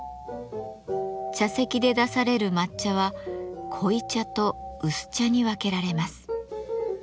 茶席で出される抹茶は濃茶と薄茶に分けられます。